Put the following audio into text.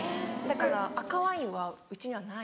だから赤ワインは家にはない。